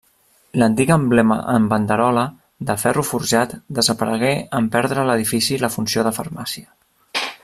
L'antic emblema en banderola, de ferro forjat, desaparegué en perdre l'edifici la funció de farmàcia.